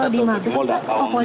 terima kasih banyak pak